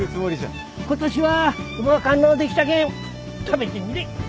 今年はうまかんのできたけん食べてみれ。